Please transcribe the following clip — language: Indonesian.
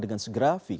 dengan seorang pemimpin